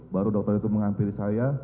baru dokter itu menghampiri saya